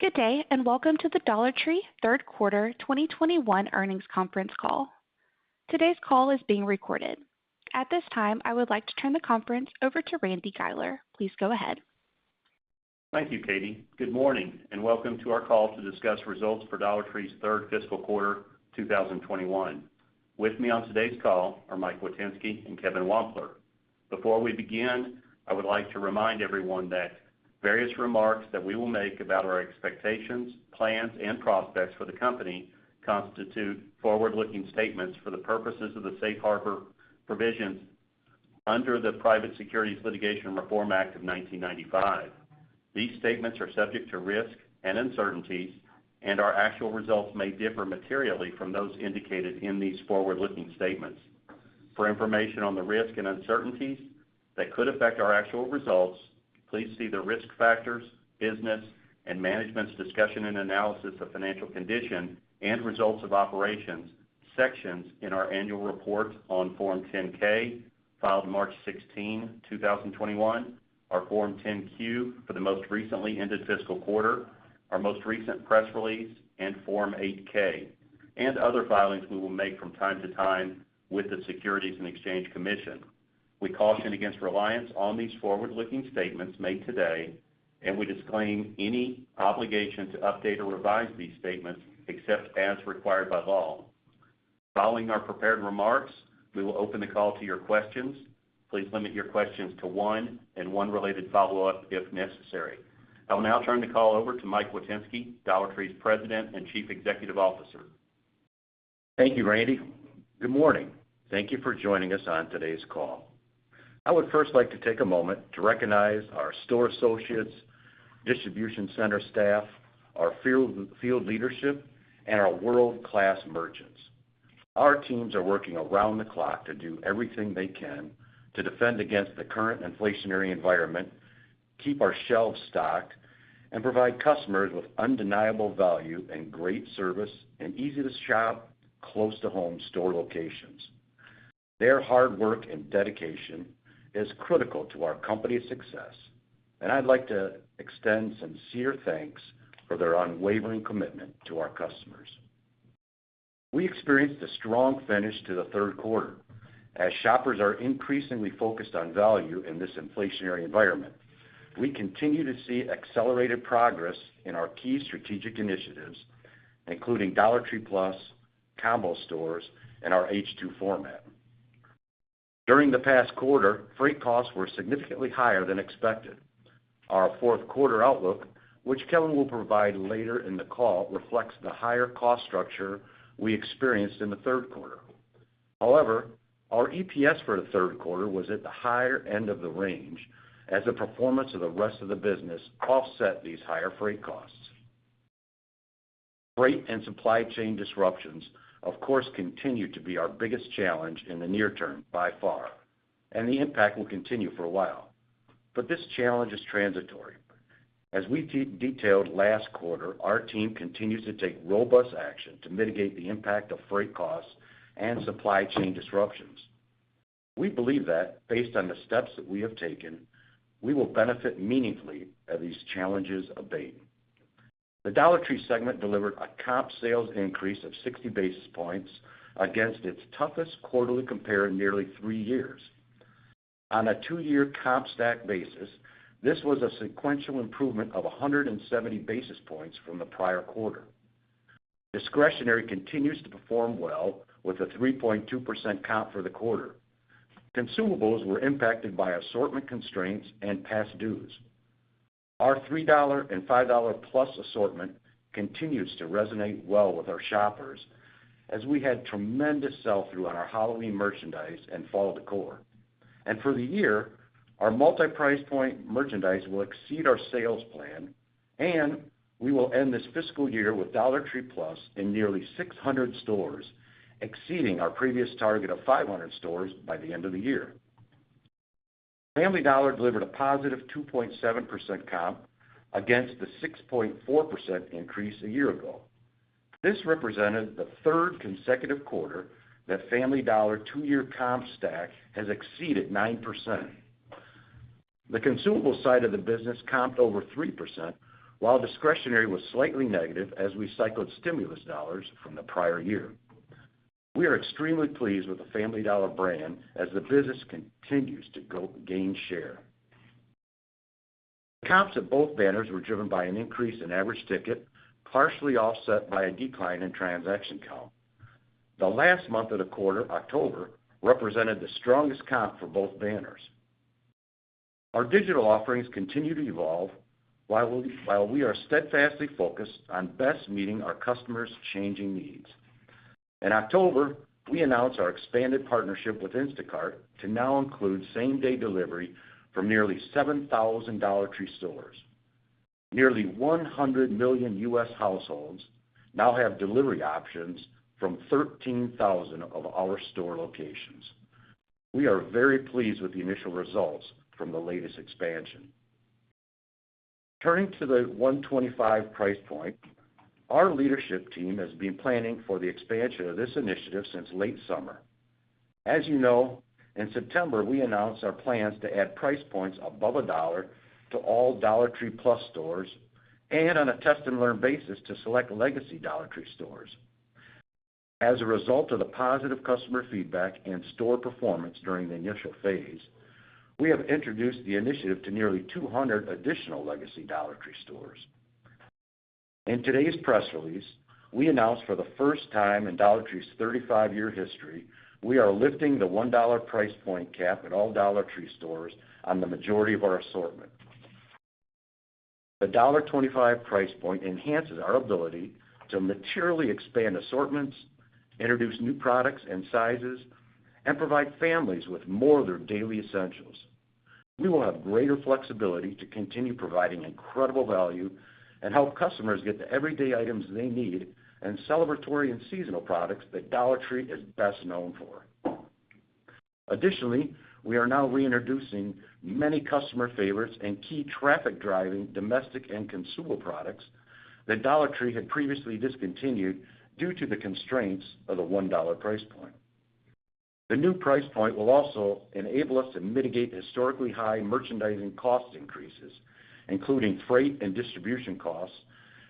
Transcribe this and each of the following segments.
Good day, and welcome to the Dollar Tree third quarter 2021 earnings conference call. Today's call is being recorded. At this time, I would like to turn the conference over to Randy Guiler. Please go ahead. Thank you, Katie. Good morning, and welcome to our call to discuss results for Dollar Tree's third fiscal quarter 2021. With me on today's call are Mike Witynski and Kevin Wampler. Before we begin, I would like to remind everyone that various remarks that we will make about our expectations, plans, and prospects for the company constitute forward-looking statements for the purposes of the safe harbor provisions under the Private Securities Litigation Reform Act of 1995. These statements are subject to risk and uncertainties, and our actual results may differ materially from those indicated in these forward-looking statements. For information on the risks and uncertainties that could affect our actual results, please see the Risk Factors, Business, and Management's Discussion and Analysis of Financial Condition and Results of Operations sections in our Annual Report on Form 10-K filed March 16, 2021, our Form 10-Q for the most recently ended fiscal quarter, our most recent press release, and Form 8-K, and other filings we will make from time to time with the Securities and Exchange Commission. We caution against reliance on these forward-looking statements made today, and we disclaim any obligation to update or revise these statements except as required by law. Following our prepared remarks, we will open the call to your questions. Please limit your questions to one and one related follow-up if necessary. I will now turn the call over to Mike Witynski, Dollar Tree's President and Chief Executive Officer. Thank you, Randy. Good morning. Thank you for joining us on today's call. I would first like to take a moment to recognize our store associates, distribution center staff, our field leadership, and our world-class merchants. Our teams are working around the clock to do everything they can to defend against the current inflationary environment, keep our shelves stocked, and provide customers with undeniable value and great service and easy-to-shop, close-to-home store locations. Their hard work and dedication is critical to our company's success, and I'd like to extend sincere thanks for their unwavering commitment to our customers. We experienced a strong finish to the third quarter. As shoppers are increasingly focused on value in this inflationary environment, we continue to see accelerated progress in our key strategic initiatives, including Dollar Tree Plus, Combo Stores, and our H2 format. During the past quarter, freight costs were significantly higher than expected. Our fourth quarter outlook, which Kevin will provide later in the call, reflects the higher cost structure we experienced in the third quarter. However, our EPS for the third quarter was at the higher end of the range as the performance of the rest of the business offset these higher freight costs. Freight and supply chain disruptions, of course, continue to be our biggest challenge in the near term by far, and the impact will continue for a while. This challenge is transitory. As we detailed last quarter, our team continues to take robust action to mitigate the impact of freight costs and supply chain disruptions. We believe that based on the steps that we have taken, we will benefit meaningfully as these challenges abate. The Dollar Tree segment delivered a comp sales increase of 60 basis points against its toughest quarterly compare in nearly three years. On a two year comp stack basis, this was a sequential improvement of 170 basis points from the prior quarter. Discretionary continues to perform well with a 3.2% comp for the quarter. Consumables were impacted by assortment constraints and past dues. Our $3 and $5 plus assortment continues to resonate well with our shoppers as we had tremendous sell-through on our Halloween merchandise and fall decor. For the year, our multi-price point merchandise will exceed our sales plan, and we will end this fiscal year with Dollar Tree Plus in nearly 600 stores, exceeding our previous target of 500 stores by the end of the year. Family Dollar delivered a positive 2.7% comp against the 6.4% increase a year ago. This represented the third consecutive quarter that Family Dollar two-year comp stack has exceeded 9%. The consumable side of the business comped over 3%, while discretionary was slightly negative as we cycled stimulus dollars from the prior year. We are extremely pleased with the Family Dollar brand as the business continues to gain share. Comps at both banners were driven by an increase in average ticket, partially offset by a decline in transaction count. The last month of the quarter, October, represented the strongest comp for both banners. Our digital offerings continue to evolve, while we are steadfastly focused on best meeting our customers' changing needs. In October, we announced our expanded partnership with Instacart to now include same-day delivery from nearly 7,000 Dollar Tree stores. Nearly 100 million U.S. households now have delivery options from 13,000 of our store locations. We are very pleased with the initial results from the latest expansion. Turning to the $1.25 price point, our leadership team has been planning for the expansion of this initiative since late summer. As you know, in September, we announced our plans to add price points above $1 to all Dollar Tree Plus stores and on a test and learn basis to select legacy Dollar Tree stores. As a result of the positive customer feedback and store performance during the initial phase, we have introduced the initiative to nearly 200 additional legacy Dollar Tree stores. In today's press release, we announced for the first time in Dollar Tree's 35-year history, we are lifting the $1 price point cap at all Dollar Tree stores on the majority of our assortment. The $1.25 price point enhances our ability to materially expand assortments, introduce new products and sizes, and provide families with more of their daily essentials. We will have greater flexibility to continue providing incredible value and help customers get the everyday items they need and celebratory and seasonal products that Dollar Tree is best known for. Additionally, we are now reintroducing many customer favorites and key traffic-driving domestic and consumable products that Dollar Tree had previously discontinued due to the constraints of the $1 price point. The new price point will also enable us to mitigate historically high merchandising cost increases, including freight and distribution costs,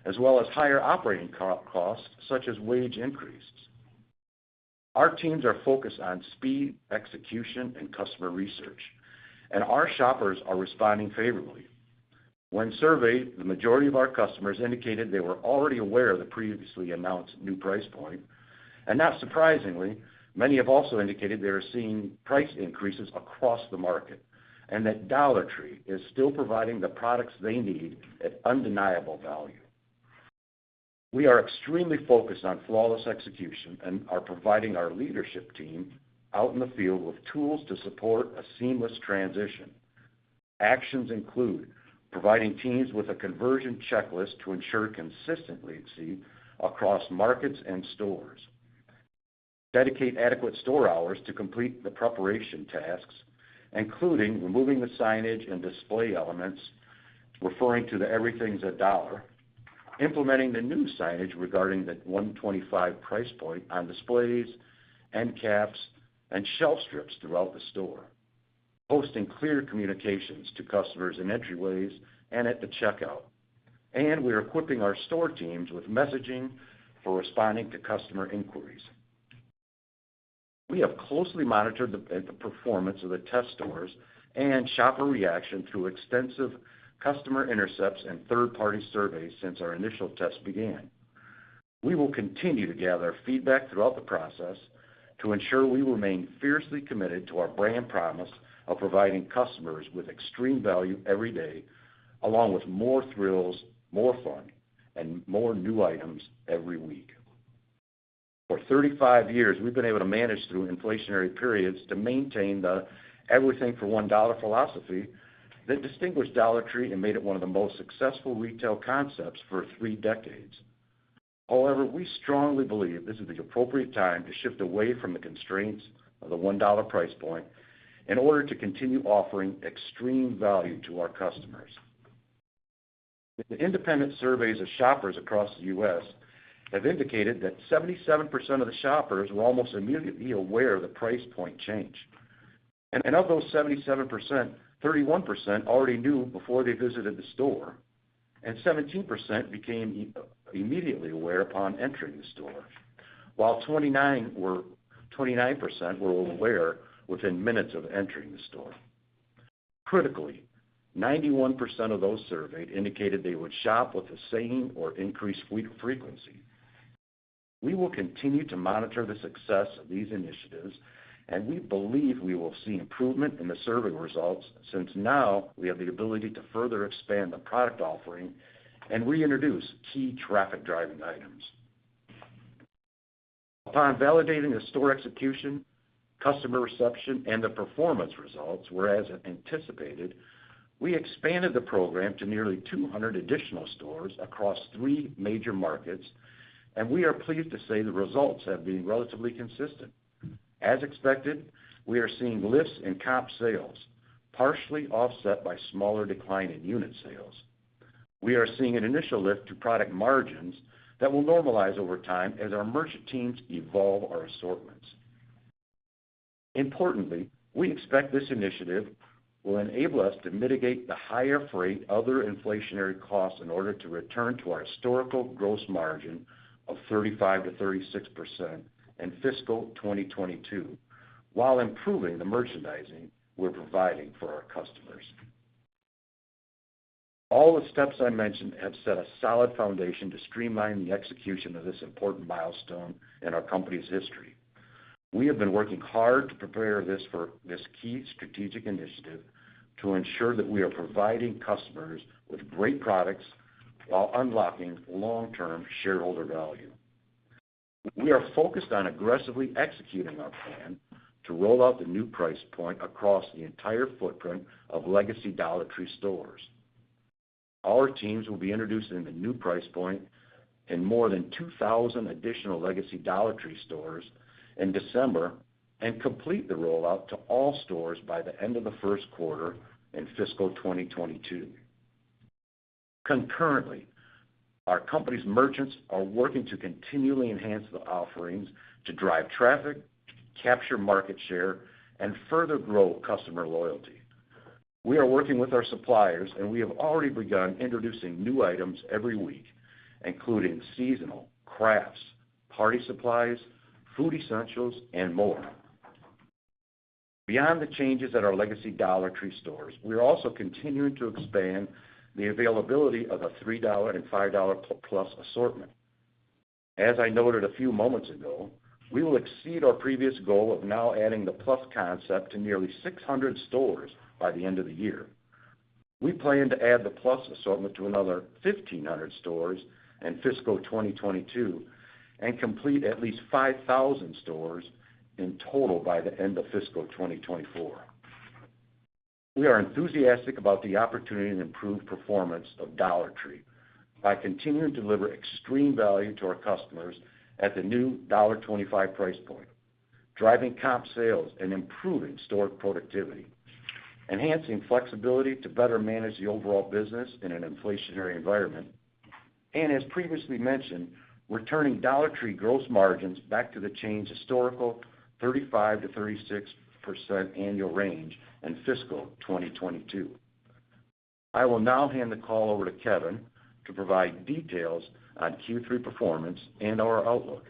as well as higher operating costs such as wage increases. Our teams are focused on speed, execution, and customer research, and our shoppers are responding favorably. When surveyed, the majority of our customers indicated they were already aware of the previously announced new price point, and not surprisingly, many have also indicated they are seeing price increases across the market and that Dollar Tree is still providing the products they need at undeniable value. We are extremely focused on flawless execution and are providing our leadership team out in the field with tools to support a seamless transition. Actions include providing teams with a conversion checklist to ensure consistent latency across markets and stores, dedicate adequate store hours to complete the preparation tasks, including removing the signage and display elements referring to the everything's a dollar, implementing the new signage regarding the $1.25 price point on displays, end caps, and shelf strips throughout the store, posting clear communications to customers in entryways and at the checkout, and we are equipping our store teams with messaging for responding to customer inquiries. We have closely monitored the performance of the test stores and shopper reaction through extensive customer intercepts and third-party surveys since our initial test began. We will continue to gather feedback throughout the process to ensure we remain fiercely committed to our brand promise of providing customers with extreme value every day, along with more thrills, more fun, and more new items every week. For 35 years, we've been able to manage through inflationary periods to maintain the everything for $1 philosophy that distinguished Dollar Tree and made it one of the most successful retail concepts for three decades. However, we strongly believe this is the appropriate time to shift away from the constraints of the $1 price point in order to continue offering extreme value to our customers. The independent surveys of shoppers across the U.S. have indicated that 77% of the shoppers were almost immediately aware of the price point change. Of those 77%, 31% already knew before they visited the store, and 17% became immediately aware upon entering the store, while 29% were aware within minutes of entering the store. Critically, 91% of those surveyed indicated they would shop with the same or increased frequency. We will continue to monitor the success of these initiatives, and we believe we will see improvement in the survey results since now we have the ability to further expand the product offering and reintroduce key traffic-driving items. Upon validating the store execution, customer reception, and the performance results, as anticipated, we expanded the program to nearly 200 additional stores across three major markets, and we are pleased to say the results have been relatively consistent. As expected, we are seeing lifts in comp sales, partially offset by smaller decline in unit sales. We are seeing an initial lift to product margins that will normalize over time as our merchant teams evolve our assortments. Importantly, we expect this initiative will enable us to mitigate the higher freight and other inflationary costs in order to return to our historical gross margin of 35%-36% in fiscal 2022 while improving the merchandising we're providing for our customers. All the steps I mentioned have set a solid foundation to streamline the execution of this important milestone in our company's history. We have been working hard to prepare for this key strategic initiative to ensure that we are providing customers with great products while unlocking long-term shareholder value. We are focused on aggressively executing our plan to roll out the new price point across the entire footprint of legacy Dollar Tree stores. Our teams will be introducing the new price point in more than 2,000 additional legacy Dollar Tree stores in December and complete the rollout to all stores by the end of the first quarter in fiscal 2022. Concurrently, our company's merchants are working to continually enhance the offerings to drive traffic, capture market share, and further grow customer loyalty. We are working with our suppliers, and we have already begun introducing new items every week, including seasonal, crafts, party supplies, food essentials, and more. Beyond the changes at our legacy Dollar Tree stores, we are also continuing to expand the availability of a $3 and $5 Plus assortment. As I noted a few moments ago, we will exceed our previous goal of now adding the Plus concept to nearly 600 stores by the end of the year. We plan to add the Plus assortment to another 1,500 stores in fiscal 2022 and complete at least 5,000 stores in total by the end of fiscal 2024. We are enthusiastic about the opportunity to improve performance of Dollar Tree by continuing to deliver extreme value to our customers at the new $1.25 price point, driving comp sales and improving store productivity, enhancing flexibility to better manage the overall business in an inflationary environment, and as previously mentioned, returning Dollar Tree gross margins back to the chain's historical 35%-36% annual range in fiscal 2022. I will now hand the call over to Kevin to provide details on Q3 performance and our outlook.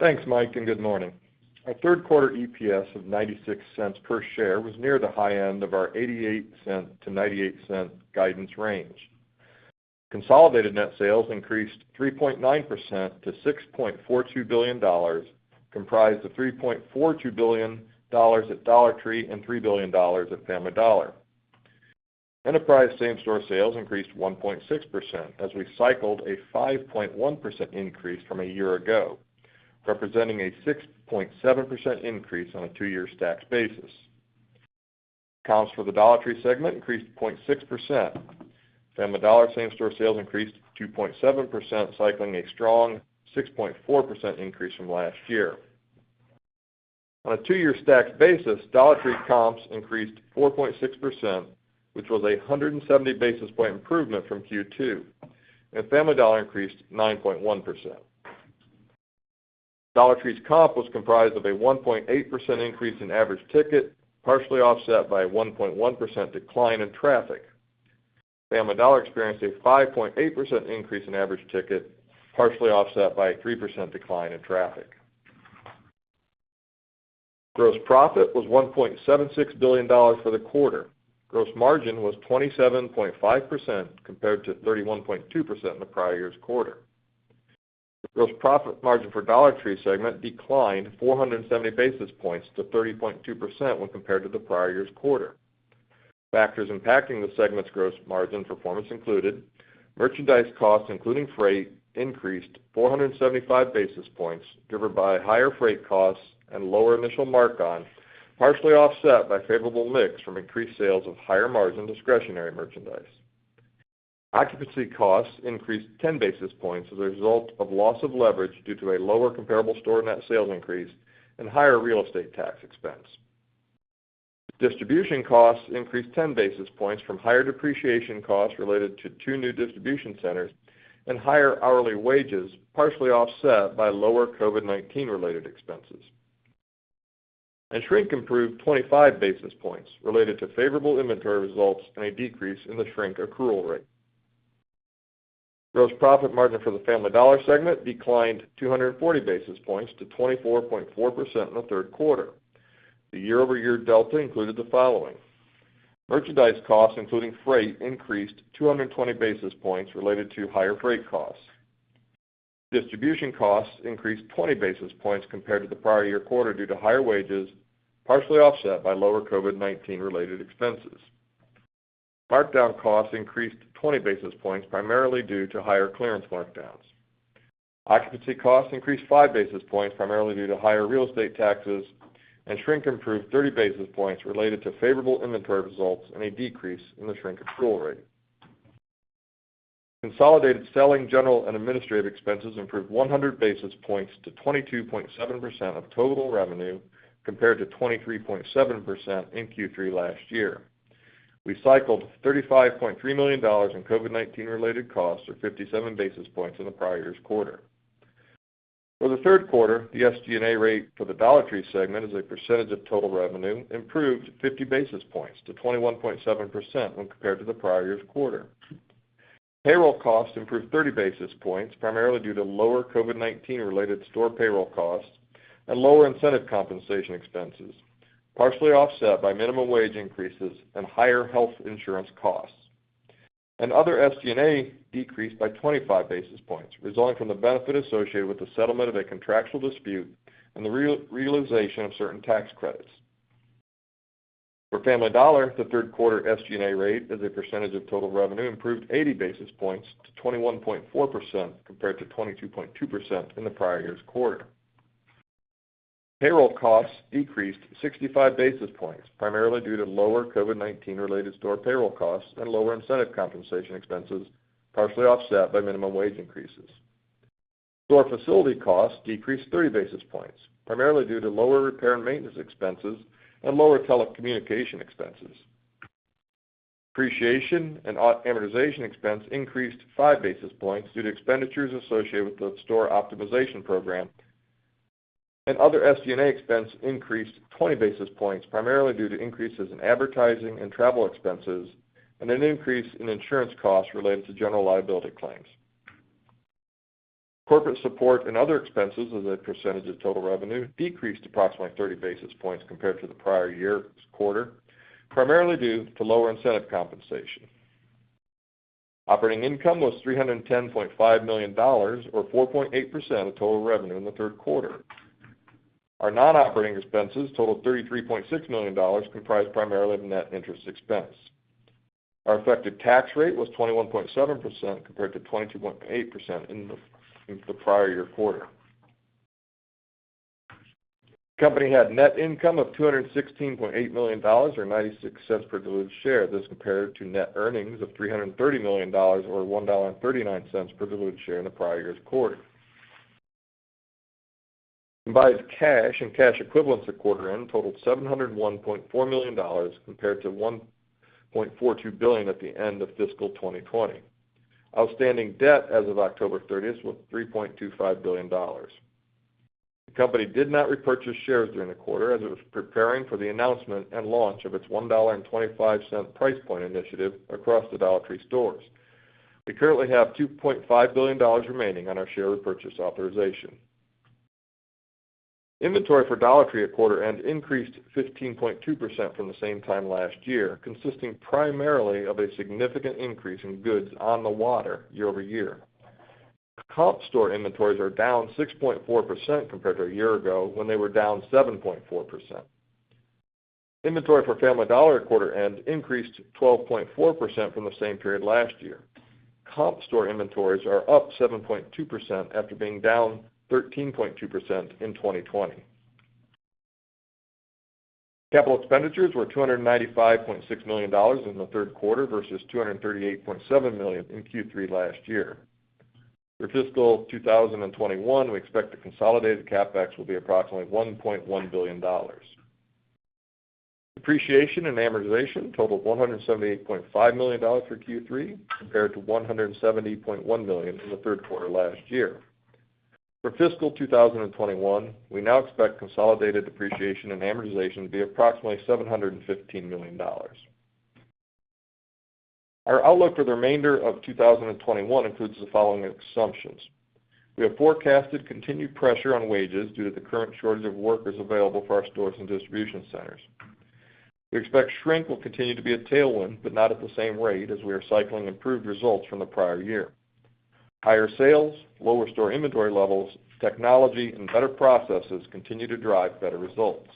Thanks, Mike, and good morning. Our third quarter EPS of $0.96 per share was near the high end of our $0.88-$0.98 guidance range. Consolidated net sales increased 3.9% to $6.42 billion, comprised of $3.42 billion at Dollar Tree and $3 billion at Family Dollar. Enterprise same-store sales increased 1.6% as we cycled a 5.1% increase from a year ago, representing a 6.7% increase on a two-year stacked basis. Comps for the Dollar Tree segment increased 0.6%. Family Dollar same-store sales increased 2.7%, cycling a strong 6.4% increase from last year. On a two-year stacked basis, Dollar Tree comps increased 4.6%, which was a 170 basis point improvement from Q2, and Family Dollar increased 9.1%. Dollar Tree's comp was comprised of a 1.8% increase in average ticket, partially offset by a 1.1% decline in traffic. Family Dollar experienced a 5.8% increase in average ticket, partially offset by a 3% decline in traffic. Gross profit was $1.76 billion for the quarter. Gross margin was 27.5% compared to 31.2% in the prior year's quarter. Gross profit margin for Dollar Tree segment declined 470 basis points to 30.2% when compared to the prior year's quarter. Factors impacting the segment's gross margin performance included merchandise costs, including freight, increased 475 basis points driven by higher freight costs and lower initial mark-on, partially offset by favorable mix from increased sales of higher-margin discretionary merchandise. Occupancy costs increased 10 basis points as a result of loss of leverage due to a lower comparable store net sales increase and higher real estate tax expense. Distribution costs increased 10 basis points from higher depreciation costs related to two new distribution centers and higher hourly wages, partially offset by lower COVID-19 related expenses. Shrink improved 25 basis points related to favorable inventory results and a decrease in the shrink accrual rate. Gross profit margin for the Family Dollar segment declined 240 basis points to 24.4% in the third quarter. The year-over-year delta included the following. Merchandise costs, including freight, increased 200 basis points related to higher freight costs. Distribution costs increased 20 basis points compared to the prior year quarter due to higher wages, partially offset by lower COVID-19 related expenses. Markdown costs increased 20 basis points, primarily due to higher clearance markdowns. Occupancy costs increased five basis points, primarily due to higher real estate taxes, and shrink improved 30 basis points related to favorable inventory results and a decrease in the shrink accrual rate. Consolidated selling, general, and administrative expenses improved 100 basis points to 22.7% of total revenue, compared to 23.7% in Q3 last year. We cycled $35.3 million in COVID-19 related costs, or 57 basis points, in the prior year's quarter. For the third quarter, the SG&A rate for the Dollar Tree segment as a percentage of total revenue improved 50 basis points to 21.7% when compared to the prior year's quarter. Payroll costs improved 30 basis points, primarily due to lower COVID-19 related store payroll costs and lower incentive compensation expenses, partially offset by minimum wage increases and higher health insurance costs. Other SG&A decreased by 25 basis points, resulting from the benefit associated with the settlement of a contractual dispute and the re-realization of certain tax credits. For Family Dollar, the third quarter SG&A rate as a percentage of total revenue improved 80 basis points to 21.4% compared to 22.2% in the prior year's quarter. Payroll costs decreased 65 basis points, primarily due to lower COVID-19 related store payroll costs and lower incentive compensation expenses, partially offset by minimum wage increases. Store facility costs decreased 30 basis points, primarily due to lower repair and maintenance expenses and lower telecommunication expenses. Depreciation and amortization expense increased five basis points due to expenditures associated with the store optimization program, and other SG&A expense increased 20 basis points, primarily due to increases in advertising and travel expenses and an increase in insurance costs related to general liability claims. Corporate support and other expenses as a percentage of total revenue decreased approximately 30 basis points compared to the prior year's quarter, primarily due to lower incentive compensation. Operating income was $310.5 million or 4.8% of total revenue in the third quarter. Our non-operating expenses totaled $33.6 million, comprised primarily of net interest expense. Our effective tax rate was 21.7% compared to 22.8% in the prior year quarter. Company had net income of $216.8 million or $0.96 per diluted share. This compared to net earnings of $330 million or $1.39 per diluted share in the prior year's quarter. Combined cash and cash equivalents at quarter end totaled $701.4 million compared to $1.42 billion at the end of fiscal 2020. Outstanding debt as of October 30 was $3.25 billion. The company did not repurchase shares during the quarter as it was preparing for the announcement and launch of its $1.25 price point initiative across the Dollar Tree stores. We currently have $2.5 billion remaining on our share repurchase authorization. Inventory for Dollar Tree at quarter end increased 15.2% from the same time last year, consisting primarily of a significant increase in goods on the water year over year. Comp store inventories are down 6.4% compared to a year ago when they were down 7.4%. Inventory for Family Dollar at quarter end increased 12.4% from the same period last year. Comp store inventories are up 7.2% after being down 13.2% in 2020. Capital expenditures were $295.6 million in the third quarter versus $238.7 million in Q3 last year. For fiscal 2021, we expect the consolidated CapEx will be approximately $1.1 billion. Depreciation and amortization totaled $178.5 million for Q3 compared to $170.1 million in the third quarter last year. For fiscal 2021, we now expect consolidated depreciation and amortization to be approximately $715 million. Our outlook for the remainder of 2021 includes the following assumptions. We have forecasted continued pressure on wages due to the current shortage of workers available for our stores and distribution centers. We expect shrink will continue to be a tailwind, but not at the same rate as we are cycling improved results from the prior year. Higher sales, lower store inventory levels, technology, and better processes continue to drive better results.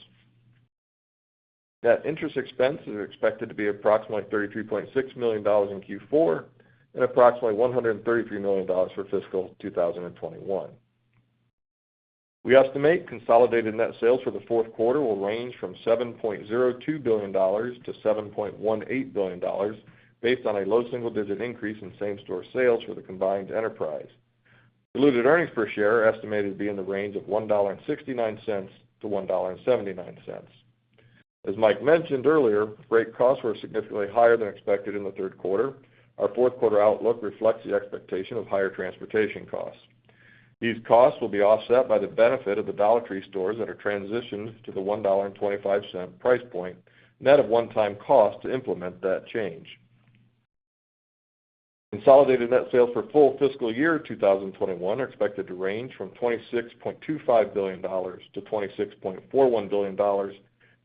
Net interest expenses are expected to be approximately $33.6 million in Q4 and approximately $133 million for fiscal 2021. We estimate consolidated net sales for the fourth quarter will range from $7.02 billion to $7.18 billion based on a low single-digit increase in same-store sales for the combined enterprise. Diluted earnings per share are estimated to be in the range of $1.69 to $1.79. As Mike mentioned earlier, freight costs were significantly higher than expected in the third quarter. Our fourth quarter outlook reflects the expectation of higher transportation costs. These costs will be offset by the benefit of the Dollar Tree stores that are transitioned to the $1.25 price point, net of one-time cost to implement that change. Consolidated net sales for full fiscal year 2021 are expected to range from $26.25 billion-$26.41 billion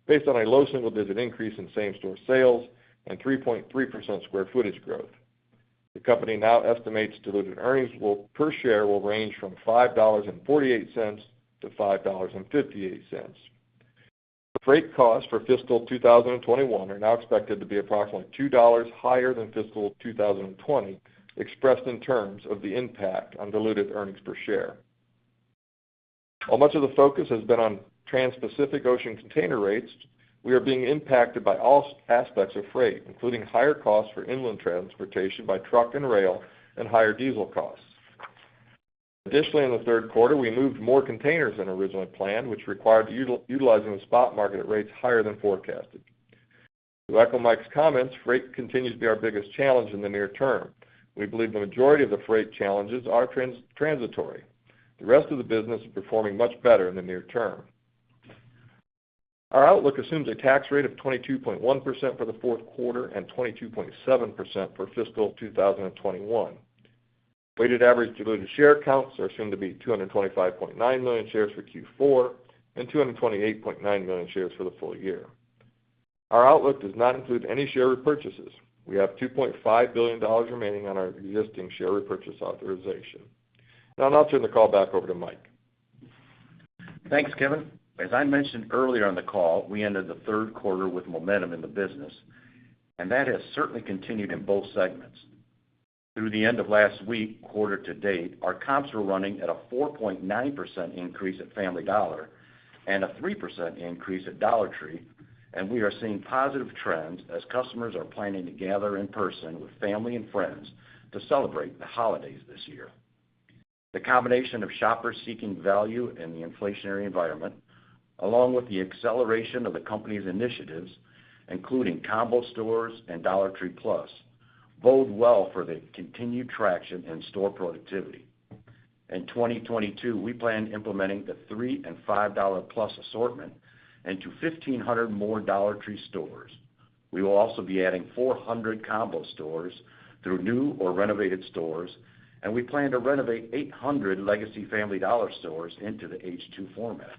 based on a low single-digit increase in same-store sales and 3.3% square footage growth. The company now estimates diluted earnings per share will range from $5.48-$5.58. Freight costs for fiscal 2021 are now expected to be approximately $2 higher than fiscal 2020, expressed in terms of the impact on diluted earnings per share. While much of the focus has been on Transpacific ocean container rates, we are being impacted by all aspects of freight, including higher costs for inland transportation by truck and rail and higher diesel costs. Additionally, in the third quarter, we moved more containers than originally planned, which required utilizing the spot market at rates higher than forecasted. To echo Mike's comments, freight continues to be our biggest challenge in the near term. We believe the majority of the freight challenges are transitory. The rest of the business is performing much better in the near term. Our outlook assumes a tax rate of 22.1% for the fourth quarter and 22.7% for fiscal 2021. Weighted average diluted share counts are assumed to be 225.9 million shares for Q4 and 228.9 million shares for the full year. Our outlook does not include any share repurchases. We have $2.5 billion remaining on our existing share repurchase authorization. Now I'll turn the call back over to Mike. Thanks, Kevin. As I mentioned earlier on the call, we ended the third quarter with momentum in the business, and that has certainly continued in both segments. Through the end of last week, quarter to date, our comps were running at a 4.9% increase at Family Dollar and a 3% increase at Dollar Tree. We are seeing positive trends as customers are planning to gather in person with family and friends to celebrate the holidays this year. The combination of shoppers seeking value in the inflationary environment, along with the acceleration of the company's initiatives, including Combo Stores and Dollar Tree Plus, bode well for the continued traction and store productivity. In 2022, we plan implementing the $3 and $5 plus assortment into 1,500 more Dollar Tree stores. We will also be adding 400 Combo Stores through new or renovated stores, and we plan to renovate 800 legacy Family Dollar stores into the H2 format.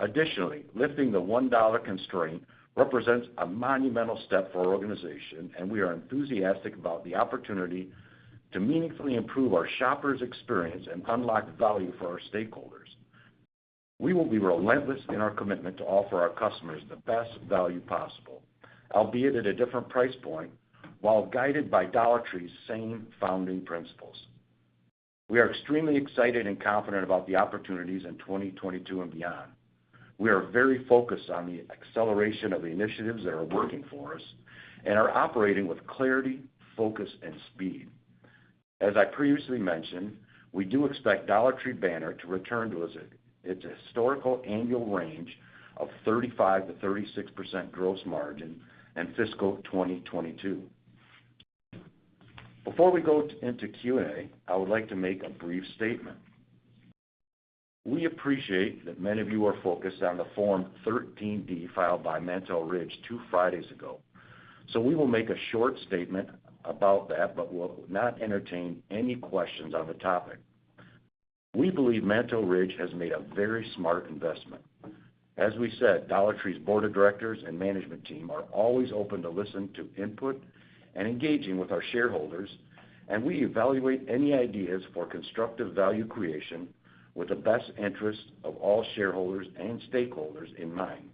Additionally, lifting the $1 constraint represents a monumental step for our organization, and we are enthusiastic about the opportunity to meaningfully improve our shoppers' experience and unlock value for our stakeholders. We will be relentless in our commitment to offer our customers the best value possible, albeit at a different price point, while guided by Dollar Tree's same founding principles. We are extremely excited and confident about the opportunities in 2022 and beyond. We are very focused on the acceleration of the initiatives that are working for us and are operating with clarity, focus, and speed. As I previously mentioned, we do expect Dollar Tree banner to return to its historical annual range of 35%-36% gross margin in fiscal 2022. Before we go into QA, I would like to make a brief statement. We appreciate that many of you are focused on the Schedule 13D filed by Mantle Ridge two Fridays ago. We will make a short statement about that, but we'll not entertain any questions on the topic. We believe Mantle Ridge has made a very smart investment. As we said, Dollar Tree's board of directors and management team are always open to listen to input and engaging with our shareholders, and we evaluate any ideas for constructive value creation with the best interest of all shareholders and stakeholders in mind.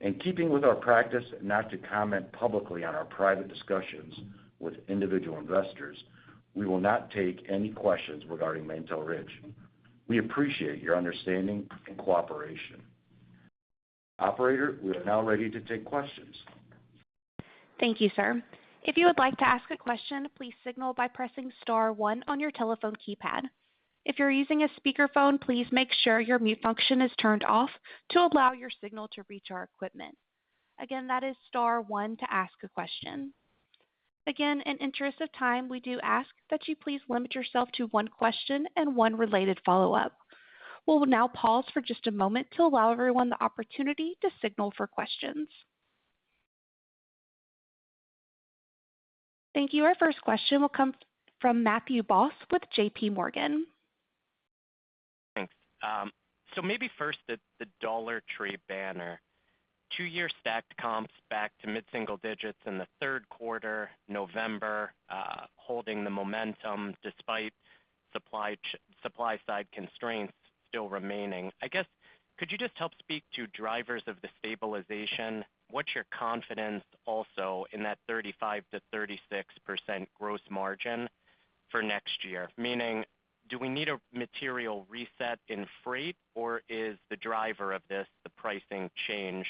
In keeping with our practice not to comment publicly on our private discussions with individual investors, we will not take any questions regarding Mantle Ridge. We appreciate your understanding and cooperation. Operator, we are now ready to take questions. Thank you, sir. If you would like to ask a question, please signal by pressing star one on your telephone keypad. If you're using a speakerphone, please make sure your mute function is turned off to allow your signal to reach our equipment. Again, that is star one to ask a question. Again, in the interest of time, we do ask that you please limit yourself to one question and one related follow-up. We'll now pause for just a moment to allow everyone the opportunity to signal for questions. Thank you. Our first question will come from Matthew Boss with JPMorgan. Thanks. So maybe first, the Dollar Tree banner. two year stacked comps back to mid-single digits in the third quarter, November, holding the momentum despite supply-side constraints still remaining. I guess, could you just help speak to drivers of the stabilization? What's your confidence also in that 35%-36% gross margin for next year? Meaning, do we need a material reset in freight, or is the driver of this the pricing change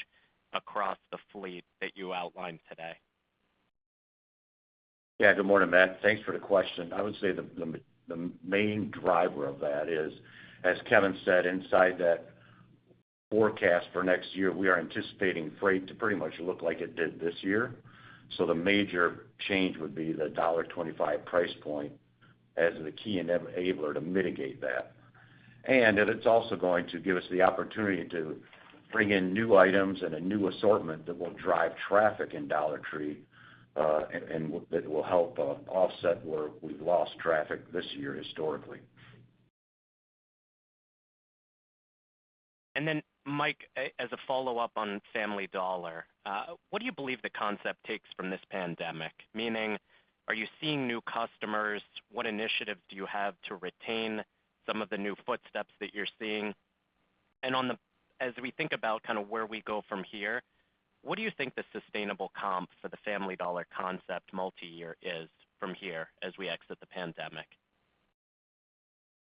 across the fleet that you outlined today? Yeah, good morning, Matt. Thanks for the question. I would say the main driver of that is, as Kevin said, inside that forecast for next year, we are anticipating freight to pretty much look like it did this year. The major change would be the $1.25 price point as the key enabler to mitigate that. That it's also going to give us the opportunity to bring in new items and a new assortment that will drive traffic in Dollar Tree, and that will help offset where we've lost traffic this year historically. Then Mike, as a follow-up on Family Dollar. What do you believe the concept takes from this pandemic? Meaning, are you seeing new customers? What initiatives do you have to retain some of the new footsteps that you're seeing? As we think about kind of where we go from here, what do you think the sustainable comp for the Family Dollar concept multi-year is from here as we exit the pandemic?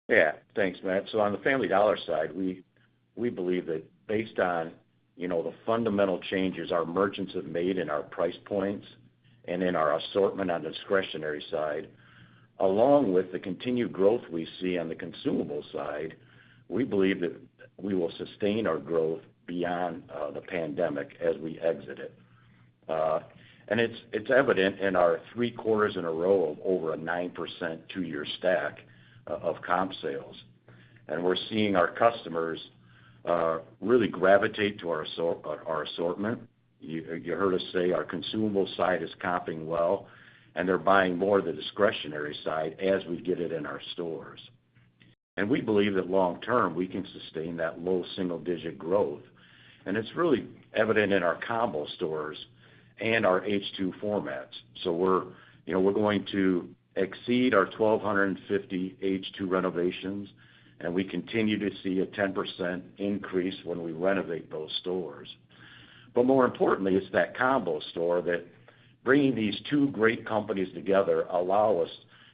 Yeah. Thanks, Matt. On the Family Dollar side, we believe that based on, you know, the fundamental changes our merchants have made in our price points and in our assortment on the discretionary side, along with the continued growth we see on the consumable side, we believe that we will sustain our growth beyond the pandemic as we exit it. It's evident in our three quarters in a row of over 9% two-year stack of comp sales. We're seeing our customers really gravitate to our assortment. You heard us say our consumable side is comping well, and they're buying more of the discretionary side as we get it in our stores. We believe that long term, we can sustain that low single-digit growth. It's really evident in our Combo Stores and our H2 formats. We're, you know, going to exceed our 1,250 H2 renovations, and we continue to see a 10% increase when we renovate those stores. More importantly, it's that combo store that bringing these two great companies together allow us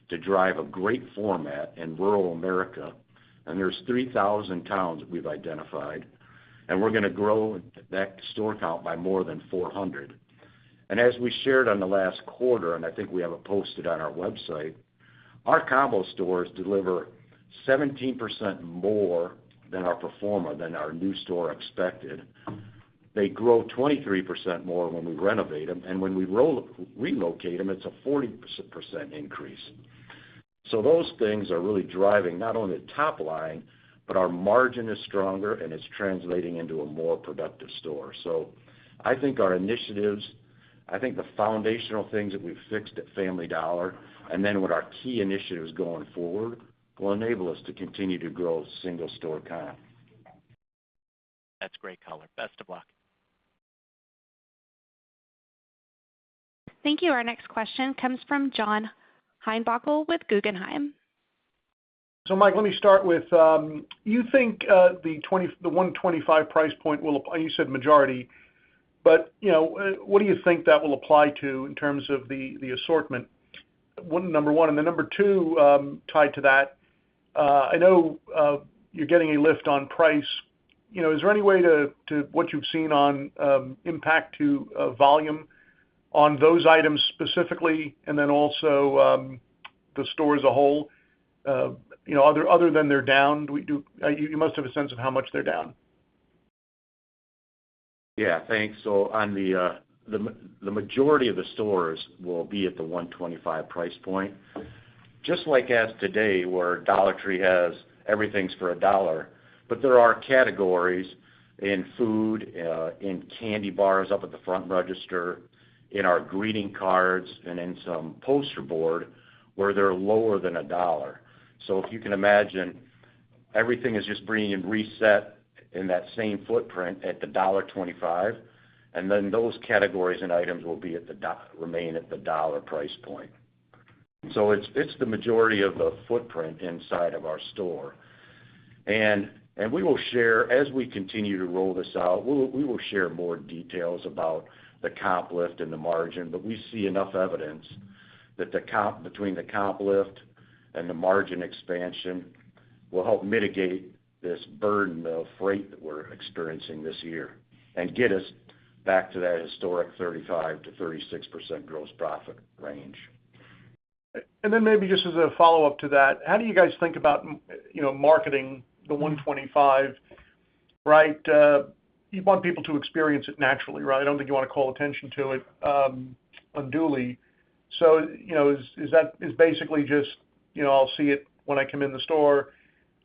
to drive a great format in rural America. There's 3,000 towns we've identified, and we're gonna grow that store count by more than 400. As we shared on the last quarter, and I think we have it posted on our website, our combo stores deliver 17% more than our pro forma, than our new store expected. They grow 23% more when we renovate them, and when we relocate them, it's a 40% increase. Those things are really driving not only top line, but our margin is stronger, and it's translating into a more productive store. I think our initiatives, I think the foundational things that we've fixed at Family Dollar, and then with our key initiatives going forward, will enable us to continue to grow single-store count. That's great color. Best of luck. Thank you. Our next question comes from John Heinbockel with Guggenheim. Mike, let me start with, you think the $1.25 price point will apply, you said majority, but you know what do you think that will apply to in terms of the assortment? One, number one. Then number two, tied to that, I know you're getting a lift on price. You know, is there any way to what you've seen on impact to volume on those items specifically and then also the store as a whole, you know, other than they're down? You must have a sense of how much they're down. Yeah, thanks. On the majority of the stores will be at the $1.25 price point, just like as today, where Dollar Tree has everything's for a dollar. But there are categories in food, in candy bars up at the front register, in our greeting cards, and in some poster board where they're lower than a dollar. If you can imagine, everything is just being reset in that same footprint at the dollar $1.25, and then those categories and items will remain at the dollar price point. It's the majority of the footprint inside of our store. We will share more details about the comp lift and the margin as we continue to roll this out, but we see enough evidence that the comp between the comp lift and the margin expansion will help mitigate this burden of freight that we're experiencing this year and get us back to that historic 35%-36% gross profit range. Then maybe just as a follow-up to that, how do you guys think about you know, marketing the $1.25, right? You want people to experience it naturally, right? I don't think you wanna call attention to it unduly. You know, is that basically just you know, I'll see it when I come in the store,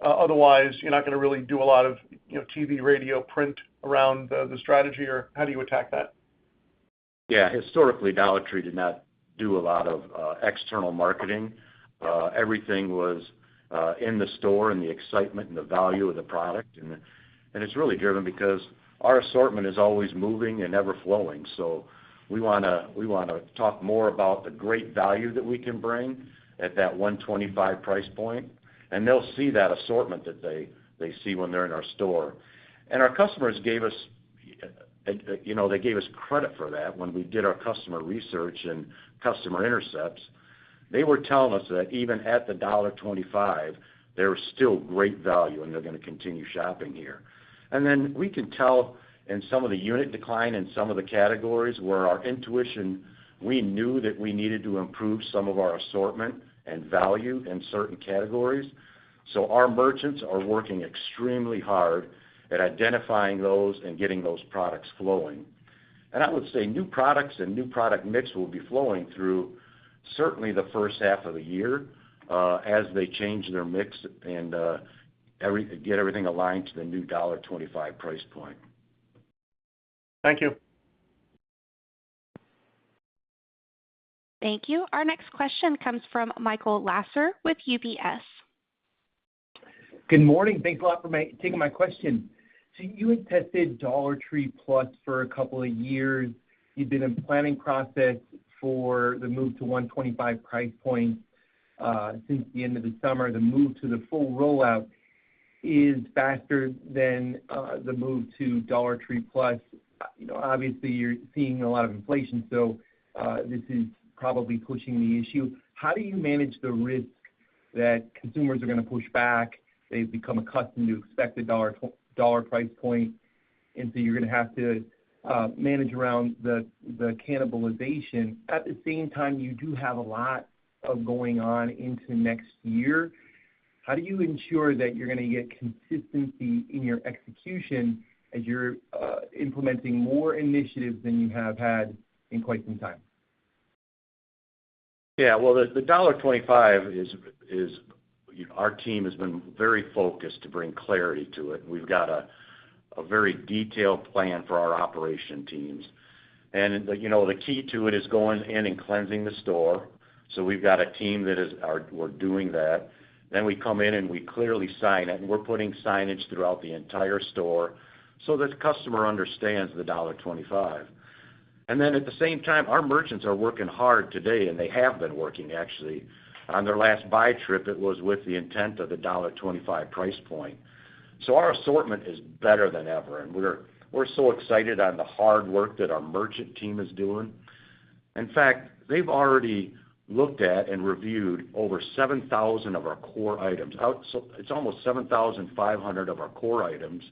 otherwise you're not gonna really do a lot of you know, TV, radio, print around the strategy, or how do you attack that? Yeah. Historically, Dollar Tree did not do a lot of external marketing. Everything was in the store and the excitement and the value of the product and the. It's really driven because our assortment is always moving and ever flowing. We wanna talk more about the great value that we can bring at that $1.25 price point, and they'll see that assortment that they see when they're in our store. Our customers gave us, you know, they gave us credit for that when we did our customer research and customer intercepts. They were telling us that even at the $1.25, there was still great value and they're gonna continue shopping here. We can tell in some of the unit decline in some of the categories where our intuition, we knew that we needed to improve some of our assortment and value in certain categories. Our merchants are working extremely hard at identifying those and getting those products flowing. I would say new products and new product mix will be flowing through certainly the first half of the year, as they change their mix and get everything aligned to the new $1.25 price point. Thank you. Thank you. Our next question comes from Michael Lasser with UBS. Good morning. Thanks a lot for taking my question. You had tested Dollar Tree Plus for a couple of years. You've been in planning process for the move to 125 price point since the end of the summer. The move to the full rollout is faster than the move to Dollar Tree Plus. You know, obviously, you're seeing a lot of inflation, so this is probably pushing the issue. How do you manage the risk that consumers are gonna push back? They've become accustomed to expect a dollar price point, and so you're gonna have to manage around the cannibalization. At the same time, you do have a lot of going on into next year. How do you ensure that you're gonna get consistency in your execution as you're implementing more initiatives than you have had in quite some time? Yeah. Well, the $1.25 is, you know, our team has been very focused to bring clarity to it. We've got a very detailed plan for our operation teams. You know, the key to it is going in and cleansing the store. We've got a team that is doing that. We come in and we clearly sign it, and we're putting signage throughout the entire store so that the customer understands the $1.25. At the same time, our merchants are working hard today, and they have been working actually. On their last buy trip, it was with the intent of the $1.25 price point. Our assortment is better than ever, and we're so excited on the hard work that our merchant team is doing. In fact, they've already looked at and reviewed over 7,000 of our core items. It's almost 7,500 of our core items.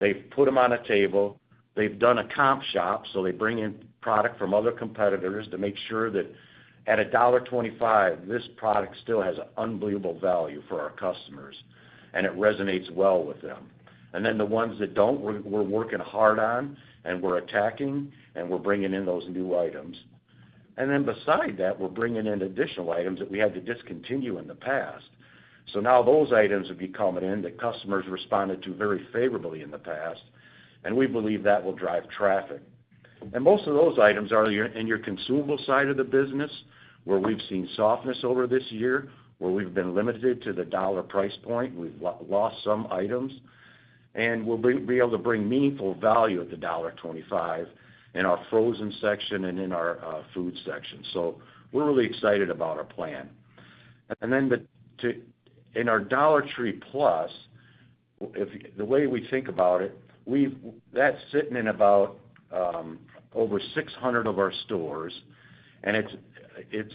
They've put them on a table, they've done a comp shop, so they bring in product from other competitors to make sure that at $1.25, this product still has an unbelievable value for our customers, and it resonates well with them. The ones that don't, we're working hard on, and we're attacking, and we're bringing in those new items. Besides that, we're bringing in additional items that we had to discontinue in the past. Now those items will be coming in that customers responded to very favorably in the past, and we believe that will drive traffic. Most of those items are in your consumable side of the business, where we've seen softness over this year, where we've been limited to the $1 price point, and we've lost some items. We'll be able to bring meaningful value at the $1.25 in our frozen section and in our food section. We're really excited about our plan. In our Dollar Tree Plus, the way we think about it, that's sitting in about over 600 of our stores, and it's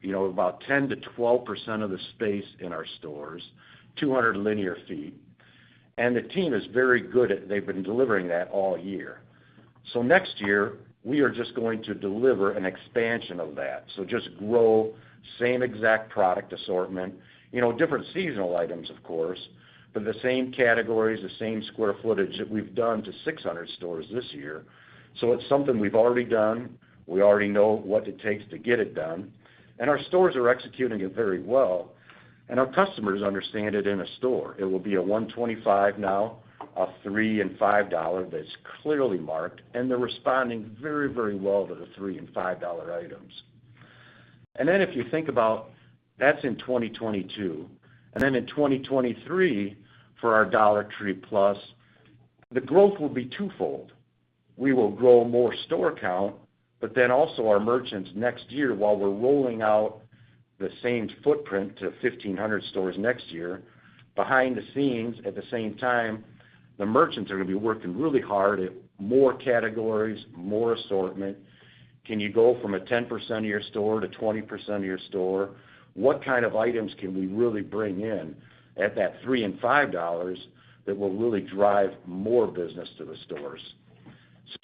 you know, about 10%-12% of the space in our stores, 200 linear feet. The team is very good at. They've been delivering that all year. Next year, we are just going to deliver an expansion of that. Just grow same exact product assortment, you know, different seasonal items, of course, but the same categories, the same square footage that we've done to 600 stores this year. It's something we've already done. We already know what it takes to get it done, and our stores are executing it very well, and our customers understand it in a store. It will be a $1.25 now, a $3 and $5 dollar that's clearly marked, and they're responding very, very well to the $3 and $5 dollar items. Then if you think about that's in 2022, and then in 2023, for our Dollar Tree Plus, the growth will be twofold. We will grow more store count, but then also our merchants next year, while we're rolling out the same footprint to 1,500 stores next year, behind the scenes at the same time, the merchants are gonna be working really hard at more categories, more assortment. Can you go from 10% of your store to 20% of your store? What kind of items can we really bring in at that $3 and $5 that will really drive more business to the stores?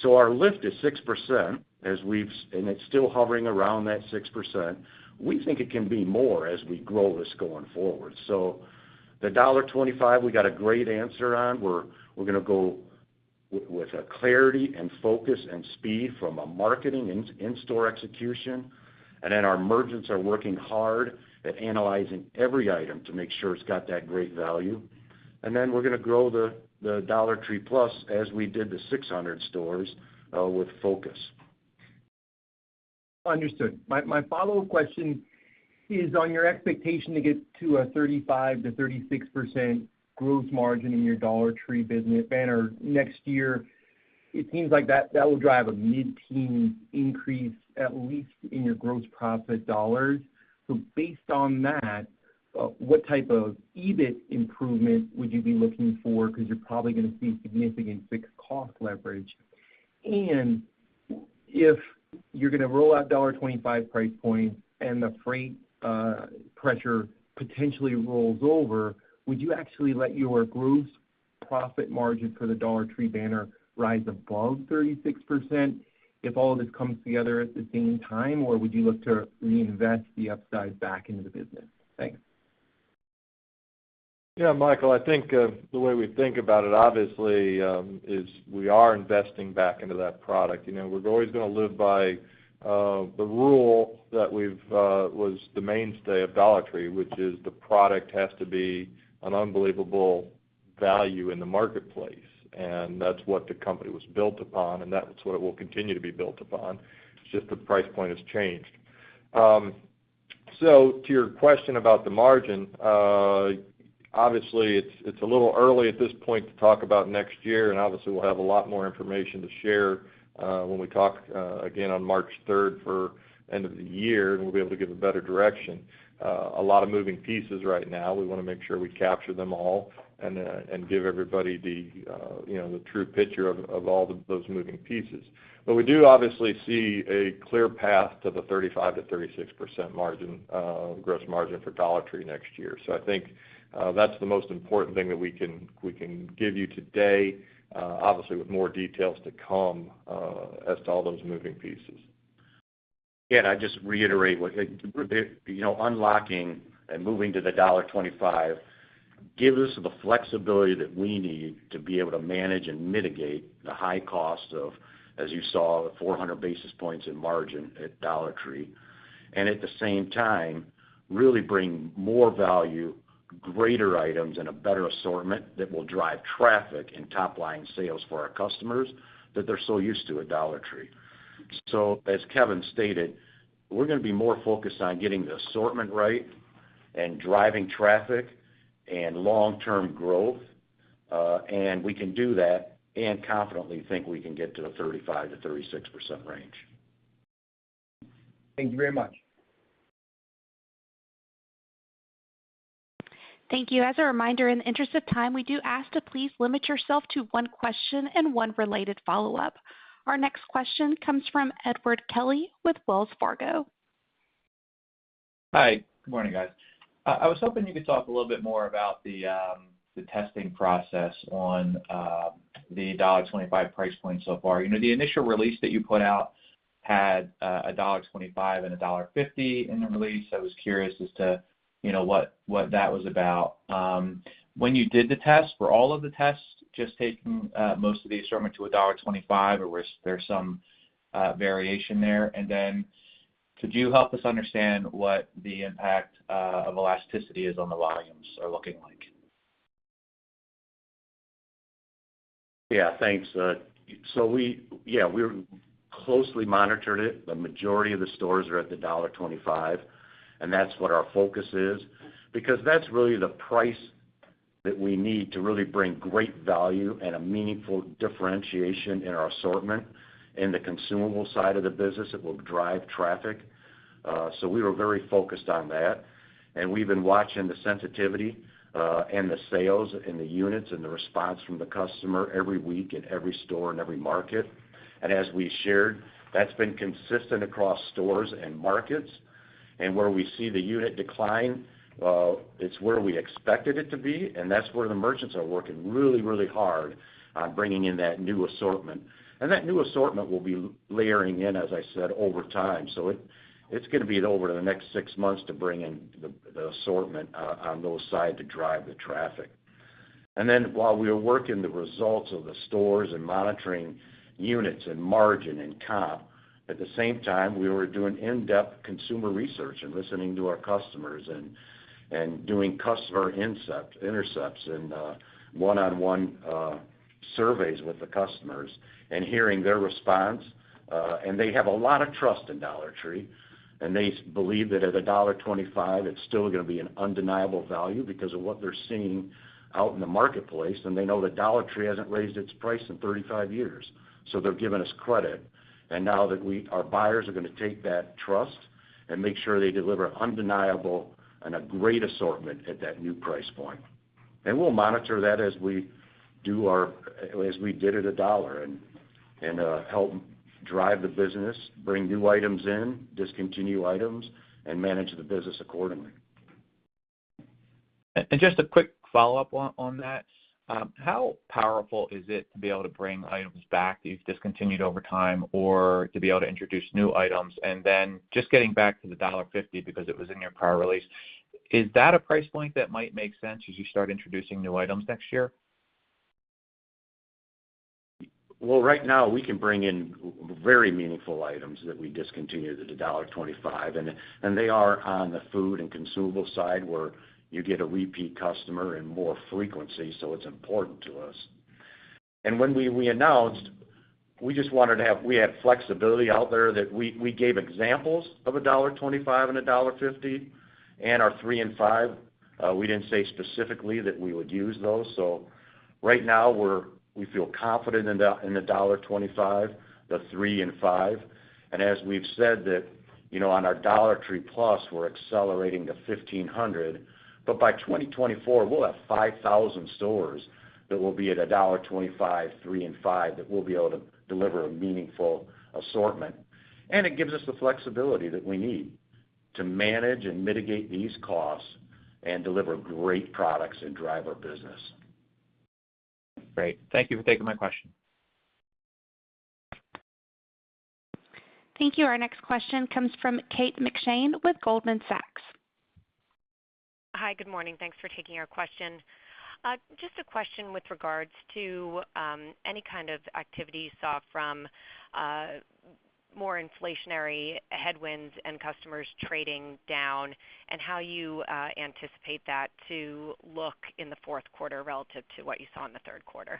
Our lift is 6%, and it's still hovering around that 6%. We think it can be more as we grow this going forward. The $1.25, we got a great answer on. We're gonna go with a clarity and focus and speed from a marketing and in-store execution. Our merchants are working hard at analyzing every item to make sure it's got that great value. We're gonna grow the Dollar Tree Plus as we did the 600 stores with focus. Understood. My follow-up question is on your expectation to get to a 35%-36% gross margin in your Dollar Tree business banner next year. It seems like that will drive a mid-teen increase, at least in your gross profit dollars. Based on that, what type of EBIT improvement would you be looking for, because you're probably gonna see significant fixed cost leverage? If you're gonna roll out $1.25 price point and the freight pressure potentially rolls over, would you actually let your gross profit margin for the Dollar Tree banner rise above 36% if all of this comes together at the same time, or would you look to reinvest the upside back into the business? Thanks. Yeah, Michael, I think the way we think about it obviously is we are investing back into that product. You know, we're always gonna live by the rule that was the mainstay of Dollar Tree, which is the product has to be an unbelievable value in the marketplace. That's what the company was built upon, and that's what it will continue to be built upon. It's just the price point has changed. To your question about the margin, obviously it's a little early at this point to talk about next year, and obviously we'll have a lot more information to share when we talk again on March 3rd for end of the year, and we'll be able to give a better direction. A lot of moving pieces right now. We wanna make sure we capture them all and give everybody the you know the true picture of all those moving pieces. We do obviously see a clear path to the 35%-36% gross margin for Dollar Tree next year. I think that's the most important thing that we can give you today, obviously with more details to come, as to all those moving pieces. Again, I'd just reiterate what unlocking and moving to the $1.25 gives us the flexibility that we need to be able to manage and mitigate the high cost of, as you saw, 400 basis points in margin at Dollar Tree. At the same time, really bring more value, greater items, and a better assortment that will drive traffic and top-line sales for our customers that they're so used to at Dollar Tree. As Kevin stated, we're gonna be more focused on getting the assortment right and driving traffic and long-term growth. We can do that and confidently think we can get to the 35%-36% range. Thank you very much. Thank you. As a reminder, in the interest of time, we do ask to please limit yourself to one question and one related follow-up. Our next question comes from Edward Kelly with Wells Fargo. Hi, good morning, guys. I was hoping you could talk a little bit more about the testing process on the $1.25 price point so far. You know, the initial release that you put out had a $1.25 and a $1.50 in the release. I was curious as to, you know, what that was about. When you did the test, were all of the tests just taking most of the assortment to a $1.25, or was there some variation there? Could you help us understand what the impact of elasticity is on the volumes are looking like? Yeah, thanks. We closely monitored it. The majority of the stores are at the $1.25, and that's what our focus is because that's really the price that we need to really bring great value and a meaningful differentiation in our assortment in the consumable side of the business that will drive traffic. We were very focused on that. We've been watching the sensitivity, and the sales and the units and the response from the customer every week in every store, in every market. As we shared, that's been consistent across stores and markets. Where we see the unit decline, it's where we expected it to be, and that's where the merchants are working really hard on bringing in that new assortment. That new assortment will be layering in, as I said, over time. It's gonna be over the next six months to bring in the assortment on those sides to drive the traffic. While we were working the results of the stores and monitoring units and margin and comp, at the same time, we were doing in-depth consumer research and listening to our customers and doing customer intercepts and one-on-one surveys with the customers and hearing their response. They have a lot of trust in Dollar Tree, and they believe that at $1.25, it's still gonna be an undeniable value because of what they're seeing out in the marketplace, and they know that Dollar Tree hasn't raised its price in 35 years. They're giving us credit. Now that our buyers are gonna take that trust and make sure they deliver undeniable and a great assortment at that new price point. We'll monitor that as we did at a dollar and help drive the business, bring new items in, discontinue items and manage the business accordingly. Just a quick follow-up on that. How powerful is it to be able to bring items back that you've discontinued over time or to be able to introduce new items? Then just getting back to the $1.50 because it was in your prior release, is that a price point that might make sense as you start introducing new items next year? Well, right now we can bring in very meaningful items that we discontinued at the $1.25, and they are on the food and consumable side where you get a repeat customer and more frequency, so it's important to us. When we announced, we just wanted to have flexibility out there that we gave examples of a $1.25 and a $1.50 and our $3 and $5. We didn't say specifically that we would use those. Right now we feel confident in the dollar 25, the $3 and $5. As we've said that, you know, on our Dollar Tree Plus, we're accelerating to 1,500. By 2024, we'll have 5,000 stores that will be at a $1.25, $3 and $5 that we'll be able to deliver a meaningful assortment. It gives us the flexibility that we need to manage and mitigate these costs and deliver great products and drive our business. Great. Thank you for taking my question. Thank you. Our next question comes from Kate McShane with Goldman Sachs. Hi. Good morning. Thanks for taking our question. Just a question with regards to any kind of activity you saw from more inflationary headwinds and customers trading down and how you anticipate that to look in the fourth quarter relative to what you saw in the third quarter.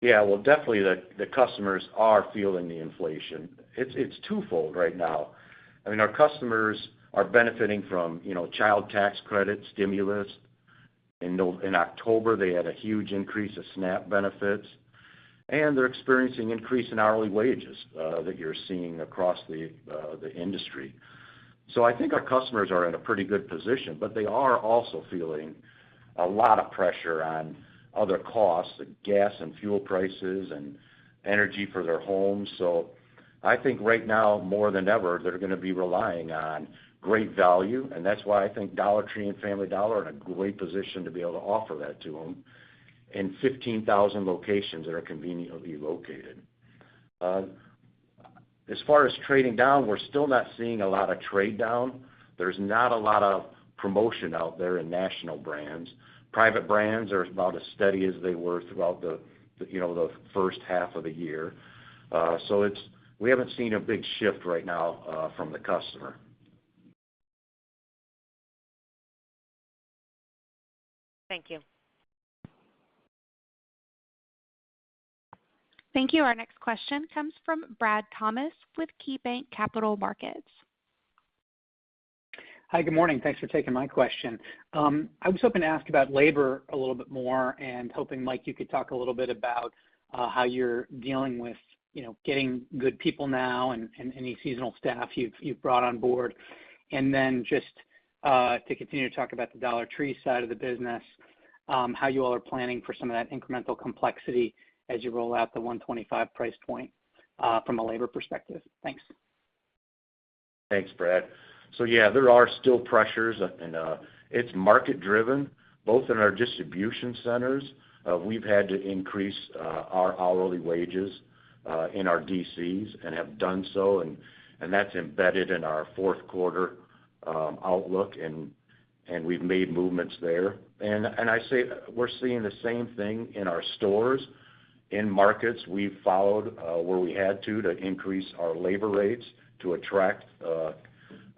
Yeah. Well, definitely the customers are feeling the inflation. It's twofold right now. I mean, our customers are benefiting from, you know, child tax credit stimulus. In October, they had a huge increase of SNAP benefits, and they're experiencing increase in hourly wages that you're seeing across the industry. So I think our customers are in a pretty good position, but they are also feeling a lot of pressure on other costs, like gas and fuel prices and energy for their homes. So I think right now, more than ever, they're gonna be relying on great value, and that's why I think Dollar Tree and Family Dollar are in a great position to be able to offer that to them in 15,000 locations that are conveniently located. As far as trading down, we're still not seeing a lot of trade down. There's not a lot of promotion out there in national brands. Private brands are about as steady as they were throughout the, you know, the first half of the year. We haven't seen a big shift right now, from the customer. Thank you. Thank you. Our next question comes from Brad Thomas with KeyBanc Capital Markets. Hi, good morning. Thanks for taking my question. I was hoping to ask about labor a little bit more and hoping, Mike, you could talk a little bit about how you're dealing with, you know, getting good people now and any seasonal staff you've brought on board. To continue to talk about the Dollar Tree side of the business, how you all are planning for some of that incremental complexity as you roll out the $1.25 price point from a labor perspective. Thanks. Thanks, Brad. Yeah, there are still pressures and it's market driven, both in our distribution centers. We've had to increase our hourly wages in our DCs and have done so, and that's embedded in our fourth quarter outlook, and we've made movements there. I say we're seeing the same thing in our stores. In markets, we've followed where we had to increase our labor rates to attract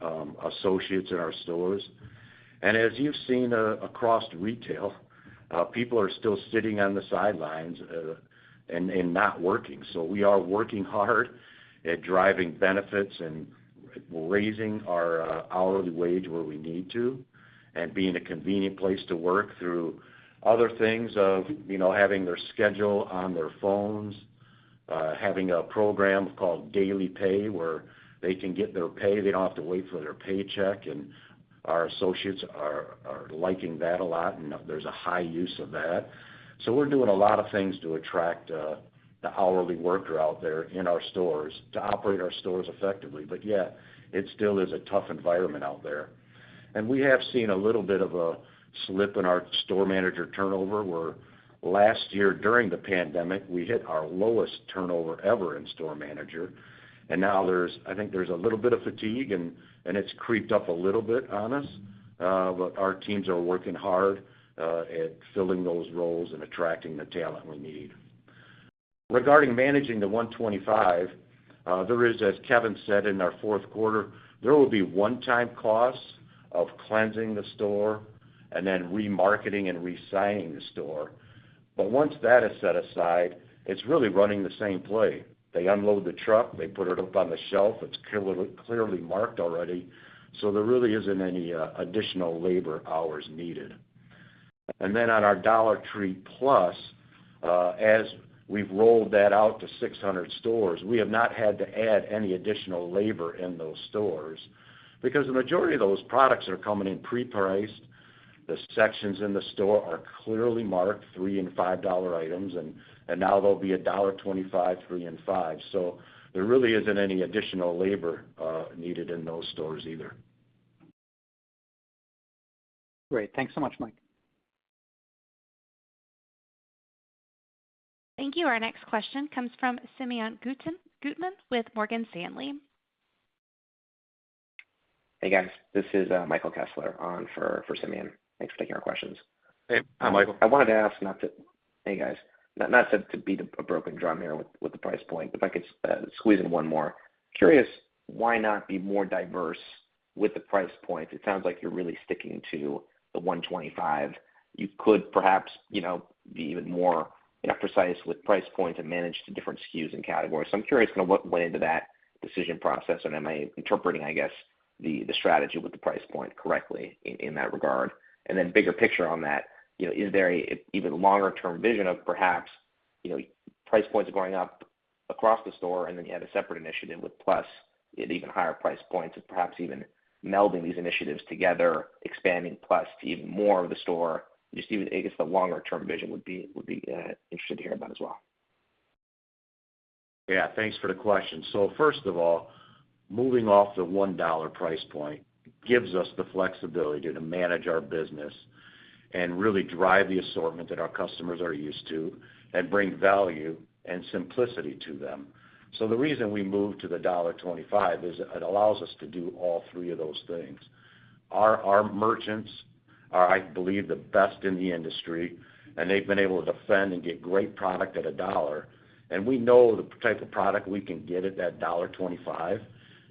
associates in our stores. As you've seen across retail, people are still sitting on the sidelines and not working. We are working hard at driving benefits and raising our hourly wage where we need to and being a convenient place to work through other things of, you know, having their schedule on their phones, having a program called DailyPay, where they can get their pay. They don't have to wait for their paycheck, and our associates are liking that a lot, and there's a high use of that. We're doing a lot of things to attract the hourly worker out there in our stores to operate our stores effectively. Yeah, it still is a tough environment out there. We have seen a little bit of a slip in our store manager turnover, where last year, during the pandemic, we hit our lowest turnover ever in store manager. Now, I think there's a little bit of fatigue, and it's crept up a little bit on us. Our teams are working hard at filling those roles and attracting the talent we need. Regarding managing the 125, as Kevin said in our fourth quarter, there will be one-time costs of cleansing the store and then remarketing and re-signing the store. Once that is set aside, it's really running the same play. They unload the truck, they put it up on the shelf. It's clearly marked already, so there really isn't any additional labor hours needed. On our Dollar Tree Plus, as we've rolled that out to 600 stores, we have not had to add any additional labor in those stores because the majority of those products are coming in pre-priced. The sections in the store are clearly marked $3 and $5 items, and now they'll be $1.25, $3 and $5. So there really isn't any additional labor needed in those stores either. Great. Thanks so much, Mike. Thank you. Our next question comes from Simeon Gutman with Morgan Stanley. Hey, guys. This is Michael Kessler on for Simeon. Thanks for taking our questions. Hey, Michael. Hey, guys. Not to beat a broken drum here with the price point, but if I could squeeze in one more. Curious, why not be more diverse with the price points? It sounds like you're really sticking to the $1.25. You could perhaps, you know, be even more precise with price points and manage the different SKUs and categories. So I'm curious kind of what went into that decision process, and am I interpreting, I guess, the strategy with the price point correctly in that regard? Then bigger picture on that, you know, is there a even longer term vision of perhaps, you know, price points going up across the store and then you have a separate initiative with Plus at even higher price points, and perhaps even melding these initiatives together, expanding Plus to even more of the store? Just even, I guess, the longer term vision would be interested to hear about as well. Yeah. Thanks for the question. First of all, moving off the $1 price point gives us the flexibility to manage our business and really drive the assortment that our customers are used to and bring value and simplicity to them. The reason we moved to the $1.25 is it allows us to do all three of those things. Our merchants are, I believe, the best in the industry, and they've been able to defend and get great product at $1. And we know the type of product we can get at that $1.25,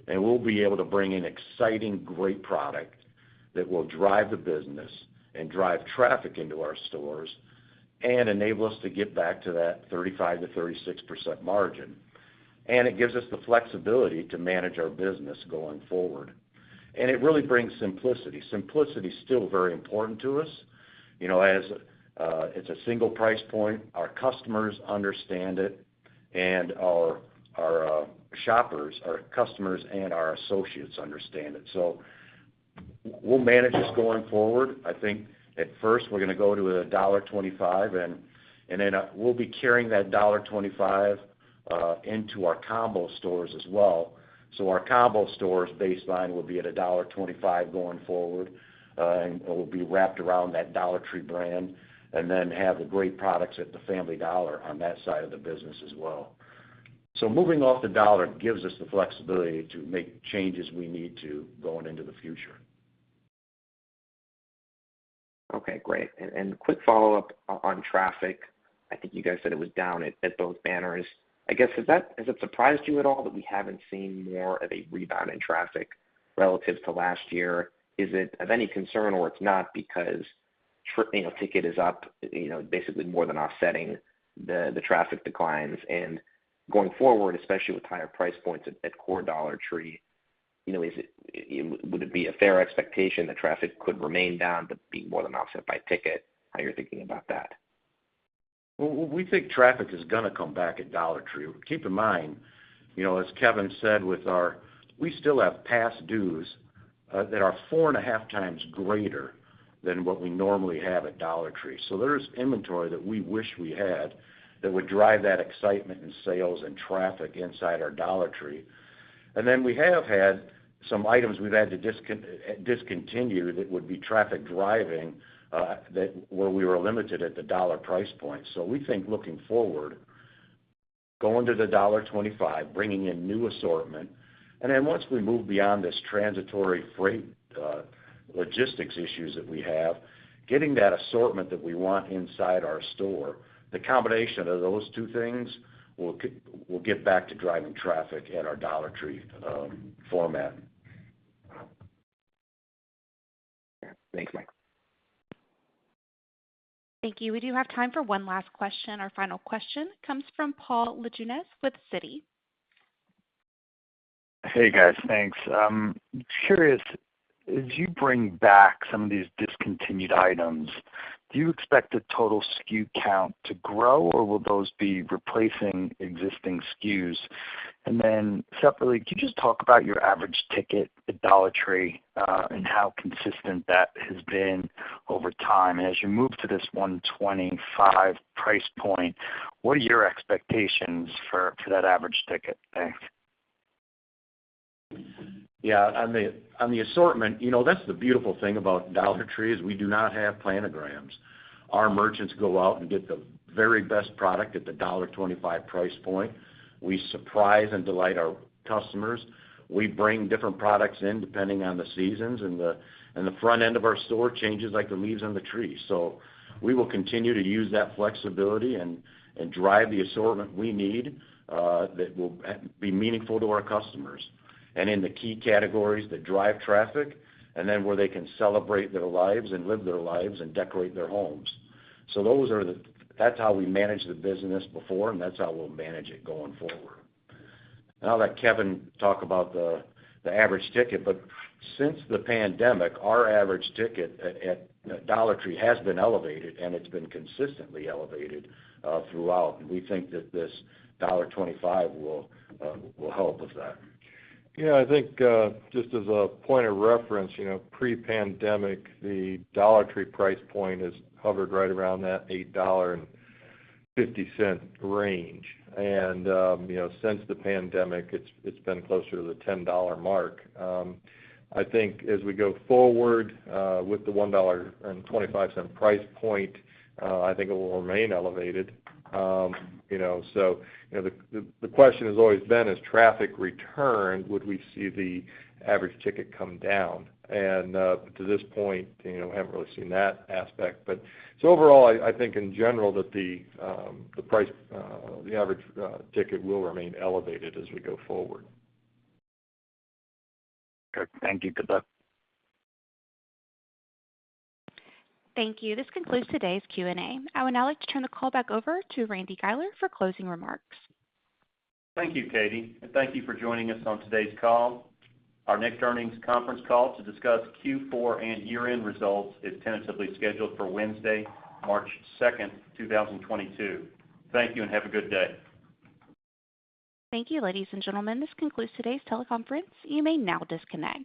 and we'll be able to bring in exciting, great product that will drive the business and drive traffic into our stores and enable us to get back to that 35%-36% margin. It gives us the flexibility to manage our business going forward. It really brings simplicity. Simplicity is still very important to us. As it's a single price point, our customers understand it, and our shoppers, our customers and our associates understand it. We'll manage this going forward. I think at first, we're gonna go to $1.25, and then we'll be carrying that $1.25 into our Combo Stores as well. Our Combo Stores baseline will be at $1.25 going forward, and it will be wrapped around that Dollar Tree brand and then have the great products at the Family Dollar on that side of the business as well. Moving off the dollar gives us the flexibility to make changes we need to going into the future. Okay, great. Quick follow-up on traffic. I think you guys said it was down at both banners. I guess, has it surprised you at all that we haven't seen more of a rebound in traffic relative to last year? Is it of any concern or it's not because you know, ticket is up, you know, basically more than offsetting the traffic declines. Going forward, especially with higher price points at core Dollar Tree, you know, is it, would it be a fair expectation that traffic could remain down to be more than offset by ticket? How you're thinking about that. We think traffic is gonna come back at Dollar Tree. Keep in mind, you know, as Kevin said, we still have past dues that are four and a half times greater than what we normally have at Dollar Tree. There's inventory that we wish we had that would drive that excitement in sales and traffic inside our Dollar Tree. We have had some items we've had to discontinue that would be traffic driving, that where we were limited at the dollar price point. We think looking forward, going to the $1.25, bringing in new assortment, and then once we move beyond this transitory freight logistics issues that we have, getting that assortment that we want inside our store. The combination of those two things will get back to driving traffic in our Dollar Tree format. Yeah. Thanks, Mike. Thank you. We do have time for one last question. Our final question comes from Paul Lejuez with Citi. Hey, guys. Thanks. Curious, as you bring back some of these discontinued items, do you expect the total SKU count to grow, or will those be replacing existing SKUs? Separately, can you just talk about your average ticket at Dollar Tree, and how consistent that has been over time? As you move to this $1.25 price point, what are your expectations for that average ticket? Thanks. Yeah. On the assortment, you know, that's the beautiful thing about Dollar Tree is we do not have planograms. Our merchants go out and get the very best product at the $1.25 price point. We surprise and delight our customers. We bring different products in depending on the seasons, and the front end of our store changes like the leaves on the tree. We will continue to use that flexibility and drive the assortment we need that will be meaningful to our customers. And in the key categories that drive traffic, and then where they can celebrate their lives and live their lives and decorate their homes. That's how we managed the business before, and that's how we'll manage it going forward. I'll let Kevin talk about the average ticket, but since the pandemic, our average ticket at Dollar Tree has been elevated, and it's been consistently elevated throughout. We think that this $1.25 will help with that. Yeah. I think, just as a point of reference, you know, pre-pandemic, the Dollar Tree price point has hovered right around that $8.50 range. You know, since the pandemic, it's been closer to the $10 mark. I think as we go forward, with the $1.25 price point, I think it will remain elevated. You know, you know, the question has always been as traffic returned, would we see the average ticket come down? To this point, you know, we haven't really seen that aspect. Overall, I think in general that the price, the average ticket will remain elevated as we go forward. Okay. Thank you. Good luck. Thank you. This concludes today's Q&A. I would now like to turn the call back over to Randy Guiler for closing remarks. Thank you, Katie, and thank you for joining us on today's call. Our next earnings conference call to discuss Q4 and year-end results is tentatively scheduled for Wednesday, March 2nd, 2022. Thank you, and have a good day. Thank you, ladies and gentlemen. This concludes today's teleconference. You may now disconnect.